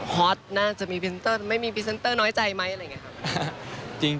ฮอตน่าจะมีพรีเซนเตอร์ไม่มีพรีเซนเตอร์น้อยใจไหมอะไรอย่างนี้ครับ